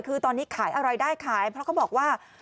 คือตอนนี้ขายอะไรได้ขายเพราะเขาบอกว่า